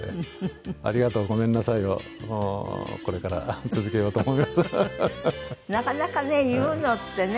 「ありがとう」「ごめんなさい」をこれから続けようと思います。